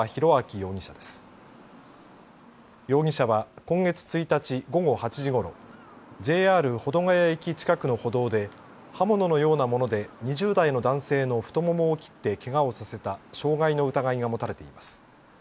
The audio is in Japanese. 容疑者は今月１日、午後８時ごろ、ＪＲ保土ケ谷駅近くの歩道で刃物のようなもので２０代の男性の太ももを切ってけがをさせた傷害の疑いが持たれています。